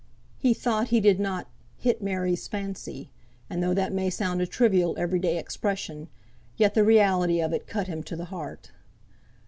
He thought he did not "hit Mary's fancy;" and though that may sound a trivial every day expression, yet the reality of it cut him to the heart.